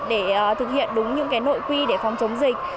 để thực hiện đúng những nội quy để phòng chống dịch